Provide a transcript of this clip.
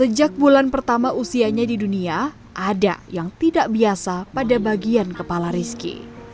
sejak bulan pertama usianya di dunia ada yang tidak biasa pada bagian kepala rizky